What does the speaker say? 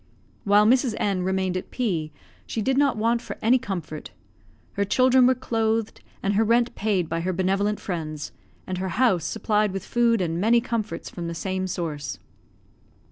While Mrs. N remained at P she did not want for any comfort. Her children were clothed and her rent paid by her benevolent friends, and her house supplied with food and many comforts from the same source.